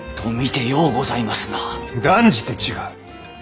断じて違う。